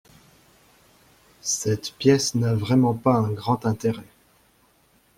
Cette pièce n'a vraiment pas un grand intérêt.